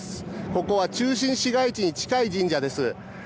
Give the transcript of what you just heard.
ここは中心市街地に近い神社です。